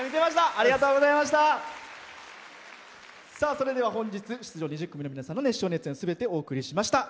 それでは本日出場２０組の皆さんの熱唱・熱演すべてお送りしました。